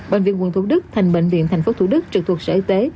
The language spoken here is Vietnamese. bệnh viện quận thủ đức thành bệnh viện thành phố thủ đức trực thuộc sở y tế